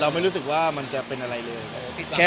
ไม่รู้สึกว่ามันจะเป็นอะไรเลย